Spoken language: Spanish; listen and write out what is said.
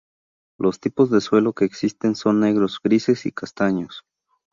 Los tipos de suelo que existen son negros, grises y castaños.